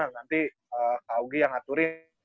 nanti ke augie yang ngaturin